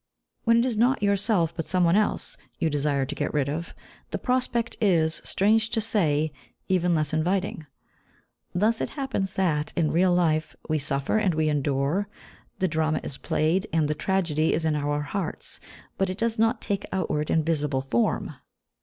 When it is not yourself, but some one else, you desire to get rid of, the prospect is, strange to say, even less inviting. Thus it happens that, in real life, we suffer and we endure, the drama is played and the tragedy is in our hearts, but it does not take outward and visible form.